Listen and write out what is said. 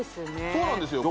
そうなんですよ